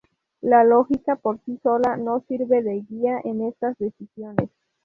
La lógica por sí sola no sirve de guía en estas decisiones.